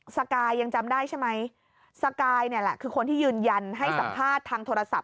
สกายยังจำได้ใช่ไหมสกายเนี่ยแหละคือคนที่ยืนยันให้สัมภาษณ์ทางโทรศัพท์